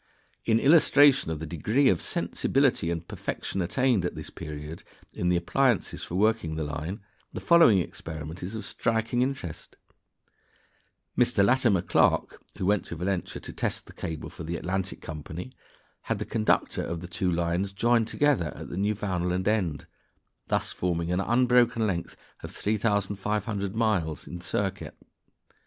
In illustration of the degree of sensibility and perfection attained at this period in the appliances for working the line, the following experiment is of striking interest: Mr. Latimer Clark, who went to Valentia to test the cable for the "Atlantic" Company, had the conductor of the two lines joined together at the Newfoundland end, thus forming an unbroken length of 3,700 miles in circuit.